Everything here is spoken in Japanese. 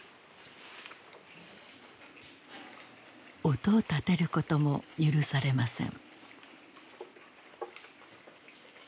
音を立てることも許されません。